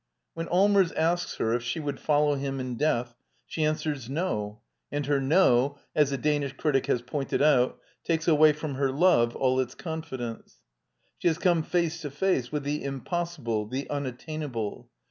When Allmers asks her if she would follow him in death, she answers " No," and her " no," as a Danish critic has pointed out, t akes awa y JronaJhfir, love all its ^nfidcn ce. She has come lace to face with the impossible, the unattainable.